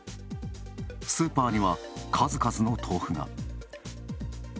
スーパーには数々の豆腐が。